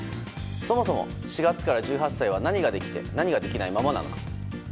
そもそも４月から１８歳は何ができて何ができないままなのか。